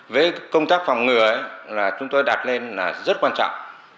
với công tác phòng ngừa là chúng tôi đặt lên là rất quan trọng